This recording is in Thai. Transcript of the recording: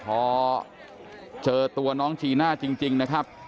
พอเจอตัวน้องจีน่าจริงนะครับ